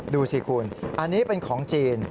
ดูสิคุณอันนี้เป็นของจีน